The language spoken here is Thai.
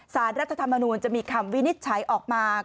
รัฐธรรมนูลจะมีคำวินิจฉัยออกมา